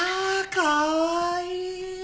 かわいい！